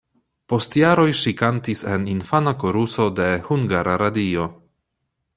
Post jaroj ŝi kantis en infana koruso de Hungara Radio.